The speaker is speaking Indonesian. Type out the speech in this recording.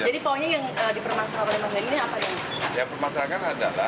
jadi pohonnya yang dipermasalahkan oleh ahmad dhani ini apa